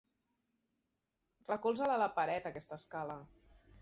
Recolza-la a la paret, aquesta escala.